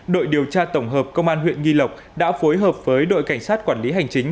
đội điều tra tổng hợp công an huyện nghi lộc đã phối hợp với đội cảnh sát quản lý hành chính